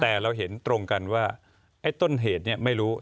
แต่เราเห็นตรงกันว่าไอ้ต้นเหตุเนี่ยไม่รู้